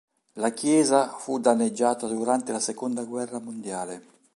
La chiesa fu danneggiata durante la seconda guerra mondiale.